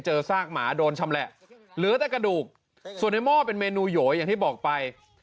ซากหมาโดนชำแหละเหลือแต่กระดูกส่วนในหม้อเป็นเมนูโหยอย่างที่บอกไป